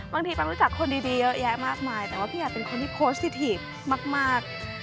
บางทีไปรู้จักคนดีเยอะแยะมากมายแต่ว่าพี่อัดเป็นคนที่โพสต์สิทีฟมาก